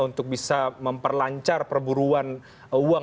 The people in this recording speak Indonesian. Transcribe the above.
untuk bisa memperlancar perburuan uang